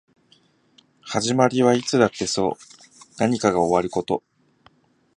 始まりはいつだってそう何かが終わること